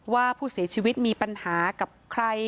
ว่าผู้เสียชีวิตมีปัญหากับใคร